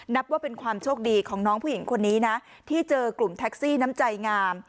นับว่าเป็นความโชคดีของน้องผู้หญิงคนนี้นะที่เจอกลุ่มแท็กซี่น้ำใจงาม